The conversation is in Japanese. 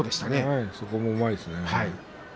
そこもうまいですね。